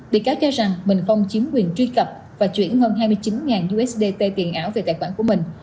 bị cáo cho rằng mình không chiếm quyền truy cập và chuyển hơn hai mươi chín usd tiền ảo về tài khoản của mình